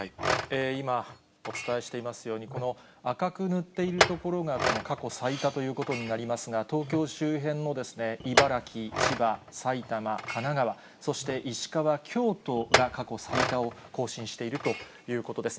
今、お伝えしていますように、この赤く塗っている所が過去最多ということになりますが、東京周辺の茨城、千葉、埼玉、神奈川、そして石川、京都が過去最多を更新しているということです。